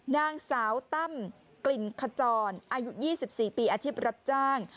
นางสาวตั้มกลิ่นขจรอายุ๒๔ปีอาชีพรับจ้าง